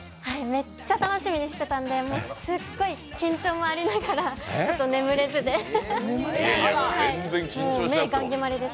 めっちゃ楽しみにしてたんで、すっごい緊張もありながらちょっと眠れずで、目、ガンぎまりです。